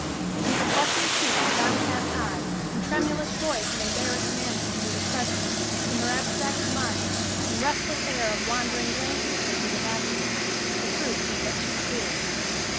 In her blushing cheek and downcast eyes, and tremulous voice and embarrassed manner, when he was present, in her abstracted mind, and restless air of wandering glances when he was absent, the truth was but too clear.